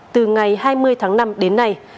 từ ngày hai mươi tháng năm đến nay